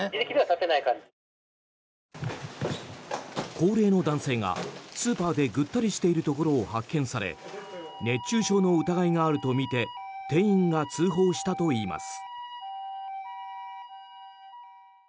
高齢の男性がスーパーでぐったりしているところを発見され熱中症の疑いがあるとみて店員が通報したといいます。